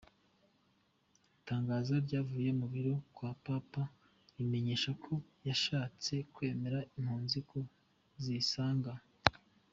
Itangazo ryavuye mu biro kwa Papa rimenyesha ko yashatse kwereka impunzi ko zisanga.